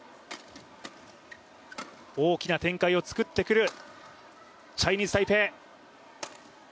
大きな展開を作ってくるチャイニーズ・タイペイ。